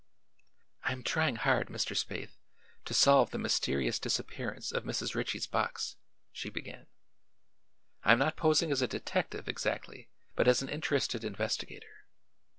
"I am trying hard, Mr. Spaythe, to solve the mysterious disappearance of Mrs. Ritchie's box," she began. "I am not posing as a detective, exactly, but as an interested investigator.